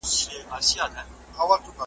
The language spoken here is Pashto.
تاسي ولي د خپل کلتور په اړه پوښتنه ونه کړه؟